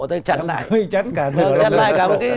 chắn lại chắn lại cả một cái